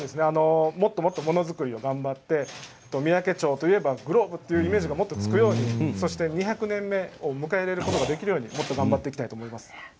もっともっとものづくりを頑張って三宅町といえばグローブというイメージがもっとつくようにそして２００年目を迎えられるように、もっと頑張っていきたいと思います。